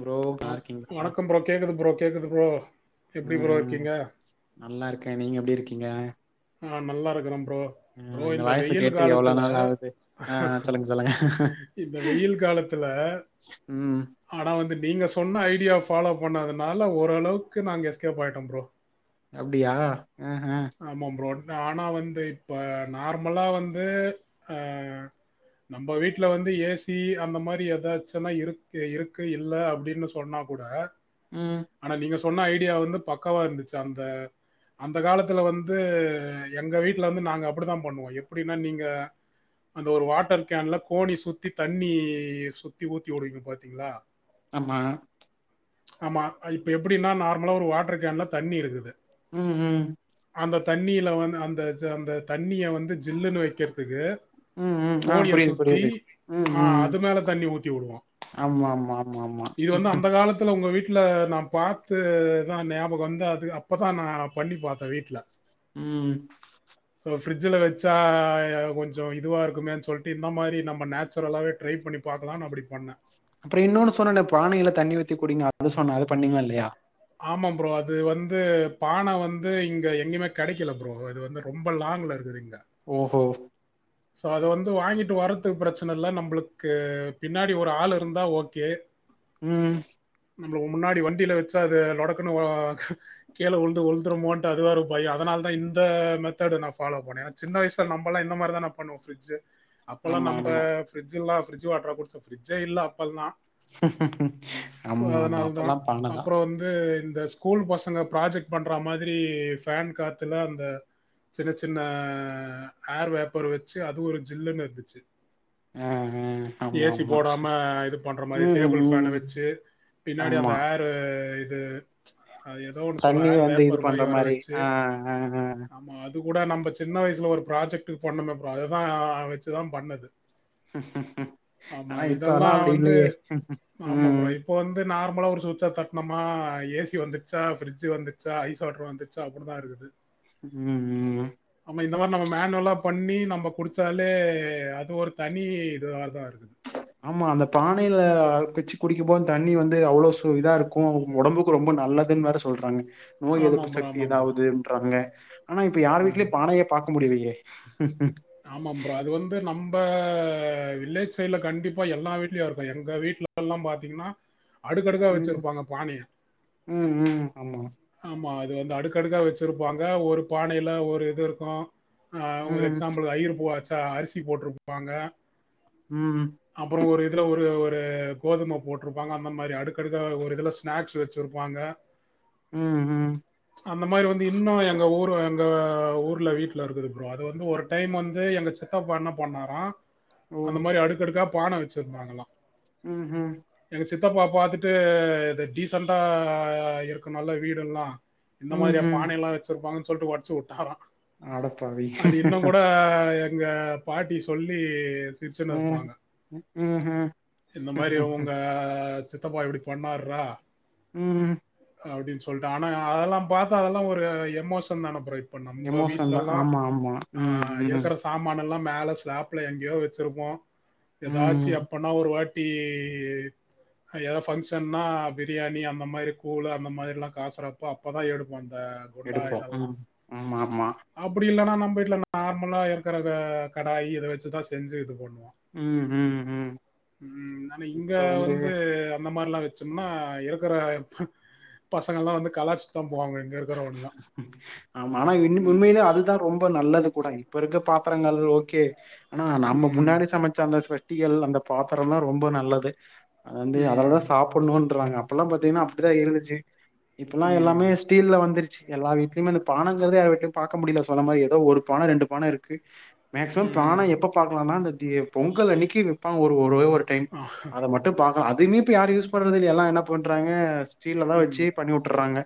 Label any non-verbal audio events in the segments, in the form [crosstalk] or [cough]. Bro நல்லாருக்கீங்களா? வணக்கம் bro. கேக்குது ப்ரோ, கேக்குது ப்ரோ. எப்படி ப்ரோ ம் இருக்கீங்க? நல்லா இருக்கேன் நீங்க எப்டி இருக்கீங்க? ஆ நல்லா இருக்கறேன் ப்ரோ. ஆ ப்ரோ இந்த வாய்ஸ வெயில் கேட்டு எவ்ளோ காலத்துல, நாள் ஆகுது ஆ சொல்லுங்க சொல்லுங்க இந்த வெயில் காலத்துல ம் ஆனா வந்து நீங்க சொன்ன ஐடியாப் ஃபாலோ பண்ணதுனால ஓரளவுக்கு நாங்க எஸ்கேப் ஆய்ட்டோம் ப்ரோ. அப்டியா ஹ் ஹம் அப்புறம் ஆனா வந்து இப்ப நார்மலா வந்து ஆ நம்ம வீட்ல வந்து ஏசி அந்த மாறி ஏதாச்சுன்னா இரு‌ இருக்கு இல்ல அப்படின்னு சொன்னா கூட ம் ஆனா நீங்க சொன்ன ஐடியா வந்து பக்காவா இருந்துச்சு அந்த அந்த காலத்துல வந்து எங்க வீட்டுல வந்து நாங்க அப்படிதான் பண்ணுவோம். எப்படின்னா நீங்க அந்த ஒரு வாட்டர் கேன்ல கோணி சுத்தி தண்ணி சுத்தி ஊத்திவுடுவீங்க பாத்தீங்களா, ஆமா ஆமா இப்ப எப்படின்னா நார்மலா ஒரு வாட்டர் கேன்ல தண்ணி இருக்குது ம் ம் தண்ணியில் வந்து அந்த ஜ அந்த தண்ணிய வந்து ஜில்லுன்னு வெக்கறதுக்கு ம் ம் ஆ கோணியை புரியுது சுத்தி புரியுது ம் ஆ ம் அது மேல தண்ணி ஊத்தி வுடுவோம். ஆமா ஆமா ஆமா ஆமா இது வந்து அந்த காலத்துல உங்க வீட்டுல வீட்ல நான் பாத்துதான் ஞாபகம் வந்து அப்பதான் நான் பண்ணி பாத்தேன் வீட்ல ம் ஃப்ரிட்ஜில் வச்சா கொஞ்சம் இதுவா இருக்குமேன்னு சொல்ட்டு இந்த மாறி நம்ம நேச்சுரலாவே ட்ரை பண்ணி பாக்கலாம்னு அப்படி பண்ணேன் அப்புறம் இன்னொன்னு சொன்னேன் பானைைல தண்ணி ஊத்தி குடிங்க அது சொன்னேன் அது பண்ணீங்களா இல்லையா? ஆமாம் ப்ரோ அது வந்து பானை வந்து இங்க எங்கயுமே கெடைக்கல ப்ரோ‌ இது வந்து ரொம்ப லாங்குல இருக்குது இங்கே ஓஹோ சோ அத வந்து வாங்கிட்டு வர்றதுக்கு பிரச்சனை இல்ல. நம்மளுக்கு பின்னாடி ஒரு ஆள் இருந்தா ஓகே ம் நம்மளுக்கு முன்னாடி வண்டியில வச்சு அது லொடக்குனு ஆ கீழ வந்து விழுந்துருமோன்ட்டு அது வேற பயம். அதனால தான் இந்த மெத்தேட நான் பாலோவ் பண்ணே. சின்ன வயசுல நம்மளா இந்த மாரி தான பண்ணுவோம் அப்பல்லாம் ஆமா நம்ம ஆமா பிரிட்ஜ் ல்லாம் ப்ரிஜ் வாட்டரா குடிச்சோம்? ஃப்ரிஜே இல்ல அப்பலாம். ஆமா ஆமா தான். அப்பல்லா பண்ண தா அப்புறம் வந்து இந்த ஸ்கூல் பசங்க ப்ராஜெக்ட் பண்ற மாதிரி ஃபேன் காத்துல அந்த சின்ன சின்ன ஏர் வேப்பர் வெச்சு அது ஒரு ஜில்லுனுருந்துச்சு ஆ ஆ ஆமா ஏ சி ஆமா போடாம இது பண்ற மாரி ம் டேபிள் ஃபேன ம் வெச்சு பின்னாடி ஆமா அந்த ஏரு அ, இது தண்ணி ஏர் வந்து இது வேப்பர் பண்ற மாரி ஆஹ் ஆஹ்ஹ் இது கூட நம் சின்ன வயசல ஒரு ப்ராஜெக்டு பண்ணமே ப்ரோ அது தா வெச்சு தா பண்ணது ஆமா. ஆனா இப்ப எல்லா இதெல்லாம் அப்படி வந்து இல்லயே ஆமா ப்ரோ. உம் இப்போ வந்து நார்மலா ஒரு சுச்ச தட் னமா ஏ சி வந்துர்ச்சா ஃப்ரிட்ஜு வந்துர்ச்சா ஐஸ் வாட்டர் வந்துர்ச்சா அப்புடி தா இருக்குது ம் ம் ஆமா இந்த மாரி நம்ம மேனுவலா பண்ணி நம்ம குடிச்சாலே அது ஒரு தனி இதுவா தா இருக்குது ஆமா அந்த பானைல வெச்சு குடிக்கும் போது தண்ணி வந்து அவ்ளோ சு இதா இருக்கு ஓ ஒடம்புக்கு ரொம்ப நல்லதுன் வேற சொல்றாங்க நோய் ஆமா எதிர்ப்பு ப்ரோ, சக்தி ஆமா ப்ரோ. இதாவ்துன்றாங்க ஆனா இப்ப யார் ம். வீட்லயு பானையே பாக்க முடிலயே ஹஹஹ ஆமா ப்ரோ அது வந்து நம்ப வில்லேஜ் சைடுல கண்டிப்பா எல்லா வீட்லயு இருக்கு எங்க வீட்லல்லா பாத்தீங்ன்னா அடுக்கடுக்கா ம் வச்சிருப்பாங்க பானைய ம் ம் ஆமா ஆமா இது வந்து அடுக்கடுக்கா வெச்சுருப்பாங்க ஒரு பானைல ஒரு இது இருக்கு ஆஹ் ஒரு ம் சாம்பிளு அய்யிர் [unintelligible] [unintelligible] அரிசி போட்ருப்பாங்க ம் அப்பறோ ஒரு இதுல ஒரு ஒ ரு கோதும போட்ருப்பாங்க அந்த மாரி அடுக்கடுக்கா ஒரு இதுல ஸ்நாக்ஸ் வெச்சிருப்பாங்க ம் ம் அந்த மாரி வந்து இன்னு எங்க ஊரு எங் க ஊர்ல வீட்லருக்குது ப்ரோ அது வந்து ஒரு டைம் வந்து எங்க சித்தப்பா என்ன பண்ணாரா அந்த மாரி அடுக்கடுக்கா பான வெச்சிருந்தாங்களா உம் உம் ப்பா பாத்துட்டு இது டீசன்டா இருக்கு நல்ல வீடெல்லா இந்த ம் மாரியா ம் பானயெல்லா வெச்சிருப்பாங்கன் சொல்ட்டு ஒட்ச்சு உட்டாரா அடப்பாவி இன்னு கூட உங்க பாட்டி சொல்லி சிரிச்சினு ம் இருப்பாங்க ம் ம் இந்த மாரி அவங்க த்தப்பா இப்படி பண்ணர்ரா உம் அப்படின்னு சொல்லிட்டு ஆனா அதெல்லா பார்த்து அதெல்லா ஒரு எமோஷன் தான பிர எமோசன்லா ஆமா ஆமா உம் உம் எல்லா மேல ஸ்லாப்ல எங்கேயோ வச்சிருப்போ ஏதாச்சு ம் அப்பனா ஒரு வாட் ட்டி எதோது ஃபங்க்ஷன்னா பிரியாணி அந்த மாதிரி கூழ் அந்த மாதிரிலா காசுறப்போ அப்போதான் எடுப்போ இந்த குண்டா எடுப்போ இதால ம் ஆமா ஆமா அப்படி இல்லைனா நா வீட்ல நா நார்மலா இருக்கிறத கடாயி இத வச்சு தா செஞ்சு இது பண்ணுவோ உம் ஹும் ஹும் ம். ஆனா இங்க இப்ப வந்து அந்த மாரி லா வச்சம்னா இருக்கிற பசங்கள்லா வந்து கலாச்சிட் ஆமா ஆனா இன்னு ம். உண்மையிலே அதுதா ரொம்ப நல்லது கூடா இப்பிருகுர பாத்தரங்கள் ஓகே ஆனா நம்ம ம். முன்னாடி சமைச்ச அந்த குட்டிகள் அந்த பாத்திரலா ரொம்ப நல்லது வந்து அதலதா ம். சாப்பிட்ணு வாக அப்பல்லா பாத்தீங்கன்னா அப்படிதா இருந்துச்சு இப்பெல்லா எல்லாமே ம். வந்துருச்சு எல்லா வீட்லயமே அ பானங்கதரதே யார் வீட்லயும் பார்கக்க முடியல சொன்ன மாரி ஏதோ ஒரு பான ரெண்டு பான இருக்கு மேக்சிமம் ம். பான எப்ப பாக்கலாம் னா அந்த ஏ பொங்கல் அன்னைக்கு வெப்பாங் ஒரு ஒரு வா டைம் அத மட்டு பாக்கலா அது இனிப்ப யார் யூஸ் பண்றது இல்ல எல்லா என்ன பண்றாங்க சீல் எல்லா ம். வச்சு பண்ணி விட்டு்றாங்க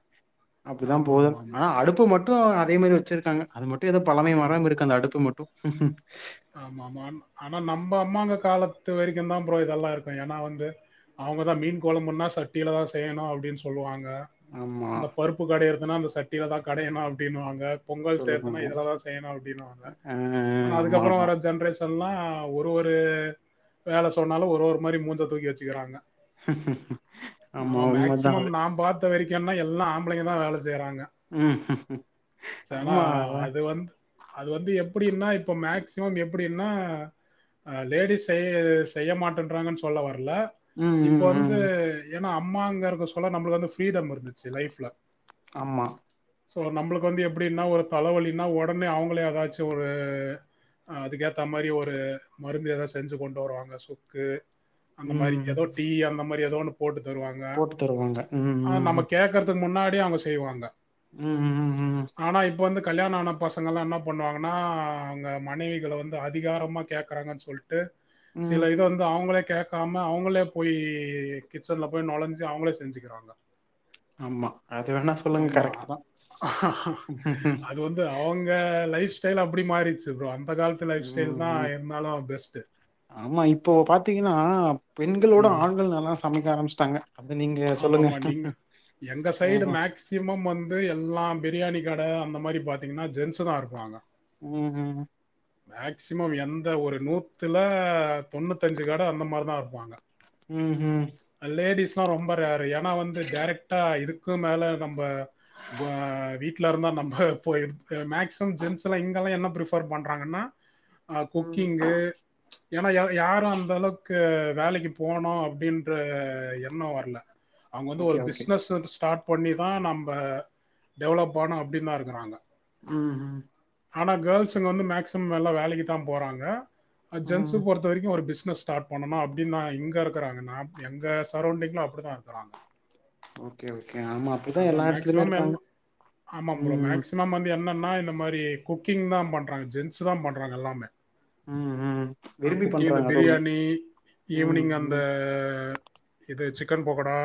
அப்படிதா போதுன் ஆமாமாமா. ஆனா அடுப்பு மட்டும் னு அதே மாதிரி வச்சிருக்காங்க அது மட்டு து பழமை மரம் இருக்கு அந்த அடுப்பு மட்டு ஆமா ஆமா ஆனா நம்ம அம்மாங்க காலத்து வரைக்குந்தான் ஃப்ரோ இதெல்லாம் இருக்கு ஏன்னா வந்து அவங்கதா மீன் கொழம்புனா சட்டியிலதா செய்யணு அப்படின்னு சொல்லுவாங்க ஆமா அ அந்த பருப்பு கடையர அனா அந்த சட்டில தா கடையணு அப்டின்வாங்க பொங்கல் செய்ர்தனா சொல்லுவாங்க இதுலதா செய்ணு அப்டின்வாங்க ஆனா அஹ் அதுக் துக் ஆமா அப்றோ ஆமா வர ஜென்ரேஷ் ல்லா ஒரு ஒரு வேல சொன்னாலு ஒரு ஒரு மாரி மூஞ்ச தூக்கி வெச்சுக்கிறாங்க ஹ்ம்ஹ்ம்ஹ்ம் ஆமா உண்ம தா அது வெரிக்குன்ன எல்லா ஆம்புலைங்க தா அது செய்றாங்க ம் ப்ச்ச் செம ஆமா அதான். அது வந்து அது வந்து எப் அப்டின்னா இப்போ மாக் க்சிமம் எப்டின்னா லேடிஸ் செய் செய்ய மாட்க்கிறாங்கன்னு சொல்ல வர ல ம் இப்போ ம் ம் வந்து ம். எ ஏனா அம்மாங்கர்த சொல்ல நம்ளுக்கு வந்து ஃப்ரீடம் இருந்துச்சு லைஃப்ல ஆம்மா சோ நம்ளுக்கு வந்து எப்டின்னா ஒரு தலவலினா ஒடனே அவுங்களே ஏதாச்சு ஒரு அதுக்கேத்த மாரி ஒரு மருந்து எத செஞ்சு கொண்டு வருவாங்க சுக்கு அந்த மாரி ம் எதோ டீ அந்த மா மாரி ஏதோ ஒன்னு போட்டு தருவாங்க போட்டு ப்ச் தருவாங்க ம் அ ம் நம்ம ம் கேட்க்றதுக் முன்னாடி யே அவங்க செய்வாங்க ம் ம் ஆனா இப்போ வந்து கல்யாண ஆனப் பசங்கல்லா என்ன பண்ணுவாங்கன்னா அங்க மனைவிகளோ வந்து அதிகாரமா கேக்றாங்கன் சொல்லிட் ம் ம். சில இது வந்து அவ்ங்களே கேக்காம அவ்ங்களே போயீ கிச்சன்ல போய் நுழைஞ்சி அவ்ங்களே செஞ்சிக்கிறாங்க ஆமா அது வேணா ச்ச் சொல்லுங்க ஆமா கரெக்ட் அஹ அஹ ம் அது வந்து அவங்க லைஃப் ஸ்டைல் அப்டி மாறிச்சு [unintelligible] அந்த காலத்து லைஃப் ஸ்டைல் தா இருந்தாலு பெஸ்ட்டு ஆமா இப்போ பாத்தீங்கன்னா பெண்களோட ம் ஆண்கள் நல்லா சமைக்க ஆரம்பிச்ட்டாங்க ஆமாமா நீங்க எங்க சைடு ம் மேக்சிமம் வந்து எல்லாம் பிரியாணி கட அந்த மாரி பாத் பாத்திங்னா ஜென்ச தா எறக்குவாங்க ம் ஹூம் மேக்சிமம் எந்த ஒரு நூத்துல தொண்ணூத்தஞ்சி கட அந்த மாரிதா இர்ப்பாங்க உஹ்ம் உம் அதா ரொம்ப ரேர்ரு யா ஆனா வந்து டேரெக்ட்டா இருக் கு மேல நம்ப, ங்குவே வீட்ல இருந்தா நம்ம மே்சிமம் ஜென்ஸ்ல இங்கல்லா என்ன பிபர் பண்றாங்கன்னா ஆ ம் குக்கிங்கு ஏனா-ஏனா யாரும் அந்த அளவுக்கு வேலைக்கு போகனோ அப்படின்னு ரே எண்நோ வரல அவங்க வந்து ஓகே ஒரு ஓகே பிசினஸ் வந்து ஸ்டார்ட் பண்ணி தா நம்ம டெவலப் ஆனும் அப்படின்லா இருக்கிறாங்க. ம் ம் ஆனா கேர்ள்ஸுங்க வந்து மேக்சிமம் எல்லா வேலைக்கு தா போறாங்க. அ ம் ஜென்ஸ்ங்க பொறுத்த வரைக்கும் ஒரு பிஸ் க ஸ்டார்ட் பண்ணனு அப்படின் தா இங்க இருக்காங்க எங்க சரௌண்டிங்ல அப்படிதா ருக்குறா ஓகே ஓ அதான் மேக்சிமம் எல்லா ஆமாம் ப்ரோ ம் மேக்சிமம் வந்து என்னன்ன இந்த மாரி குக்கிங்தா பண்றாங்க, ஜென்ஸ்தா பண்றாங்க எல்லாமே. ம் ம் அஹ் விரும்பி குக்கிங் இந்த பண்றாங்க அதுவுமே பிரியாணி ம் ஈவினிங் அந்த ம் இது சிக்கன் பகோடா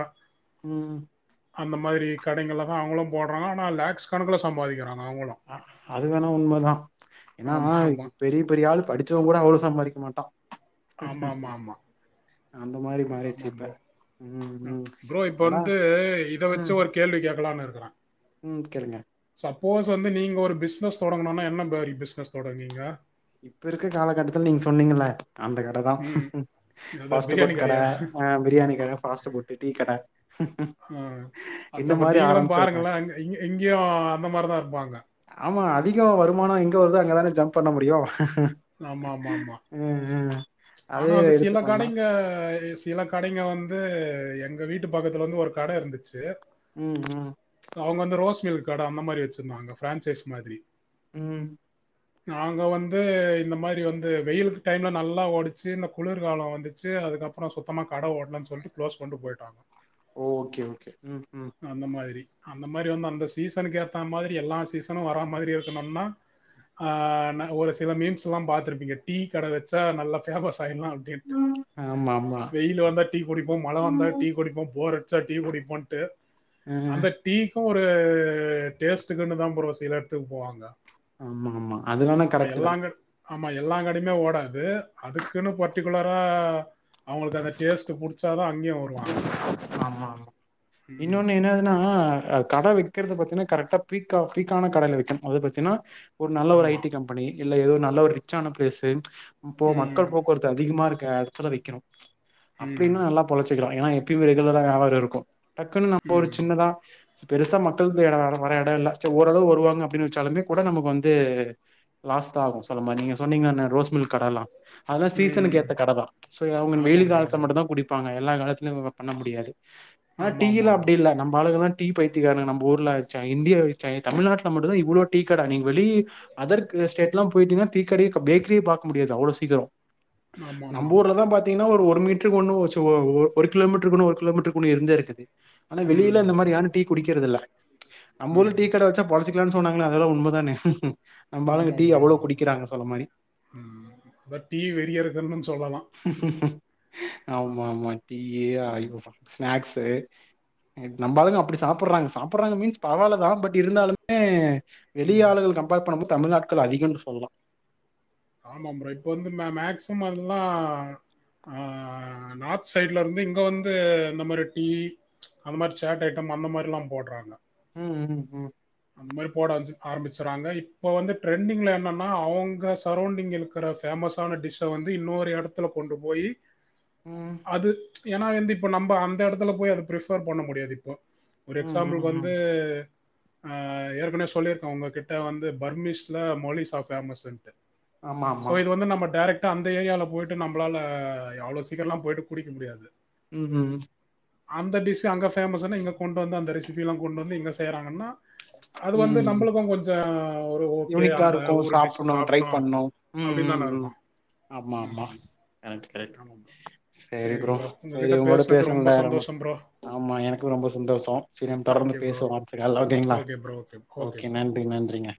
உம் அந்த மாதிரி கடைங்களதா அவங்களும் போடுறாங்க ஆனா லேக்ஸ் கணக்குல சம்பாதிக்குறா ஹ அது வேணா உண்மதா ஏனா ஆமா ஆமா. பெரிய பெரிய ஆள் படிச்சவன் கூட அவ்ளோ சம்பாதிக்க மாட்டா ஆமா ஆமா ஆமா அந்த மாரி மாறிடுச்சு இப்ப ம் ஹ் ம் ப்ரோ இப்ப ஏன்னா வந்து இத வச்சு ஒரு கேள்வி கேட்கலானு டுக்குற உம் கேளுங்க சப்போஸ் வந்து நீங்க ஒரு பிசினஸ் தொடங்கணும்னா என்ன மாறி பிசினஸ் தொடங்குவீங்க? இப்ப இருக்க காலகட்டத்துல நீங்க சொன்னீங்கல்ல அந்த கடைதான் ம் அதான் பிரியாணி பாஸ்ட்புட் கட கடையா ஆ பிரியாணி கட பாஸ்ட்புட்டு டீ கட ஆ, இந்த அதான் இப்போ மாதிரி நீங்களும் ஆரம்பிச்சிருவேன். பாருங்களேன் அங்க- இங்க இங்கேயும் அந்த மாதிரி தான் இருப்பாங்க ம்ம் அதிகம் வருமானம் எங்க வருதோ அங்க தான ஜம்ப் பண்ண முடியும். ஆமா ஆமா ஆமா ச்சு ஆனா அதே அது எடுத்து சில பண்ணா கடைங்க சில கடைங்க வந்து எங்க வீட்டு பக்கத்துல்ல வந்து ஒரு கடை இருந்துச்சு உம் உம் அவங்க வந்து ரோஸ் மில்க் கட அந்த மாதிரி வச்சுருந்தாங்க ஃப்ரான்சைஸ் மாதிரி உம் நாங்க வந்து இந்த மாரி வந்து வெயிலு டைம்ல நல்லா ஓடிச்சு இந்த குளிர்காலம் வந்துச்சு, அதுக்கப்புறம் சுத்தமா கடை ஓடலனு சொல்லிட்டு க்ளோஸ் பண்ட்டு போயிட்டோம் ஓ ஓகே ஓகே ம் ம் அந்த மாதிரி அந்த மாரி வந்து அந்த சீசனுக்கு ஏத்தா மாரி எல்லா சீசனும் வரா மாரி இருக்கணும்னா ஆஹ் ந ஒரு சில மீம்ஸ்லாம் பாத்துருப்பீங்க டீ கட வச்சா நல்லா ஃபேமஸ் டைம்லா அப்டேட்டு ஆமா ஆமா வெயில் வந்தா டீ குடிப்போம், மழ வந்தா டீ குடிப்போம், போர் அடுச்சா டீ குடிப்போன்ட்டு ஆ அந்த டீக்கும் ஒரு டேஸ்டுக்குன்னு தான் ப்ரோ சில இடத்துக்கு போவாங்க. ஆமா ஆமா அதுவேனா ஆமா கரெக்டு தான் எல்லாங்க ஆமா எல்லா கடையுமே ஓடாது அதுக்குன்னு பர்டிகுலரா அவுங்களுக்கு அந்த டேஸ்ட்ட பொறுத் அங்கேயும் வருவாங்க. ஆமா இன்னொன்னு என்னாதுன்னா ஆஹ் கட வக்கிறது பாத்தீங்கன்னா கரெக்டா பீக்கா பீக்கான கடேல வக்கனும் அது பாத்தீங்கன்னா ஒரு நல்ல ஒரு ஐ ஆமா. டி கம்பெனி இல்ல ஏதோ நல்ல ஒரு ரிச்ச ஆான பிளேசு இப்போ ம். மக்கள் போக்குவரத்து அதிகமா இருக் கேர்ஃபுல்லா வக்கிணும் ம். அப்டின்னா நல்லா பொழச் எடுத்துக்கலாம் ஏன்னா எப்பயுமே ரெகுலரா யேபாரம் இருக்கும் டக்குன்னு நம்ம ஒரு ம். சின்னதா பெருசா மக்களுக்கு இட வர இடம் இல்லை ச ஓரளவு வருவாங்க அப்படின்னு வச்சாலுமே கூட நமக்கு வந்து லாஸ்த் ஆகும் சொல்ல மாி நீங்க சொன்னீங்கல அன்ன ரோஸ் மில்க் கடைல்லாம். அதெல்லாம் சீசனுக்கு ம். ஏத்த கடை தான் சோ அவங்க வெயில் ஆமாம் ப்ரோ. காலத்ல ஆமாம் மட்டும் ப்ரோ. தான் குடிப்பாங்க. எல்லா காலத்துலயையும் [unintelligible] பண்ண முடியாது. ஆனா டீயெல்லாம் ஆமாமாமா. அப்டி இல்ல. நம்ம ஆளுகல்லாம் டீ பைத்தியக்காரனுங்க நம்போ ஊர்ல வச்சா இந்தியா வச்சா ஏன் தமிழ்நாட்டுல மட்டுதான் இவ்ளோ டீடை கட நீங்க வெளி அதர்க்கு ஸ்டேட்ல்லாம் போய்ட்டீங்கன்னா டீ கடயே கம் பேக்ரியே பாக்க முடியாது, அவ்ளோ சீக்கிரம். ஆமாமாமா. நம்ம ஊர்ல தான் பாத்தீங்கன்னா ஒரு ஒரு மீட்ருக்கு ஒண்ணு வச் ஒ ஒ ஒரு கிலோமீட்டருக்கு ஒன்னு கிலோமீட்டருக்கு ஒன்னு இருந்தே இருக்குது ஆனா வெளில இந்த மாரி யாரும் டீ குடிக்கிறது இல்ல. ச் நம்பூர்ல டீ கட வச்சா பொலச் வச்சிகலானு சொன்னாங்கள்ளா அதல்லாம் உண்ம தான ஆமாம் ப்ரோ ஆமாம் ப்ரோ மாரி உம் பட் டீ வெறியர்கல்னு சொல்லலாம். ஆமா ஆமாமா. டீயே [unintelligible] ஸ்நாக்ஸ் து நம்பாளுங்க அப்டி சாப்பற்றாங்க சாப்பற்றாங்க மீன்ஸ் பரவால்ல தான் பட் இருந்தாலுமே வெளி ம். ஆள்கள் கம்பேர் பண்ணம்போ தமிழ் ஆட்கள் அதிகம்னு சொல்லலாம் ஆமாம் ப்ரோ. இப்ப வந்து மேக்சிமம் அதல்லாம் அஹ் நார்த் சைட்ல இருந்து இங்க வந்து இந்த மாதிரி டீ அந்த மாதிரி சேட் ஐட்டம் அந்த மாதிரி எல்லாம் போடுறாங்க ஹம் உம் உம் அந்த மாதிரி போட ஆரம்பிச்சறாங்க இப்ப வந்து ட்ரெண்டிங்ல என்னன்னா அவங்க சரவுண்டிங் இருக்கிற பேஃமஸான டிஷ்ஷ வந்து இன்னொரு எடத்துல கொண்டு போயி ம் அது ஏன்னா வந்து இப்ப நம்ம அந்த எடத்துல போய் அது பிரிஃபர் பண்ண முடியாது இப்போ ஒரு ம் எக்ஸாம்பிள்க் ம் ம் வந்து அ ஏற்க்னவே சொல்லிர்க்கோ உங்ககிட்ட வந்து பர்மிஷ்ல மொலிஸா ஃபேமஸ்ன்ட்டு ஆமா சோ ஆமா இது வந்து நம்ம டேரெக் அந்த ஏரியாவில் போயிட்டு நம்மளால அவ்வளோ சீக்கிரம்லாம் போயிட்டு குடிக்க முடியாது ம் ம் அந்த டிஷ் அங்க பேமஸ் இங்க கொண்டு வந்து அந்த ரிஷ் சிபிலாம் கொண்டு வந்து எங்கே செய்கிறாங்கன்னா அது வந்து ம் நம்மளுக்கும் கொஞ்சம் ஒரு ஓகே. யூனிக்கா அந்த இருக்கும் ஊரு டிஷ் சாப்டணும் ட்ரை சாப்பிட்டோம். பண்ணும் ம் அப்படின்னு ம் தான ம் இருக்கும். ஆமா ஆமா எனக்கு ஆமா ப்ரோ. சரி சரிங்க ப்ரோ சரி உங்ககிட்ட உங்களோட பேசினது பேசணல ரொம்ப சந்தோஷம் ப்ரோ. ஆமா எனக்கும் ரொம்ப சந்தோஷம் சரி நம் தொடர்ந்து ஓகே ப்ரோ. பேசுவோம் அத்துக்கல்லாம்ங்களா ஓகே ப்ரோ. [unintelligible] Okay bro. நன்றி நன்றிங்க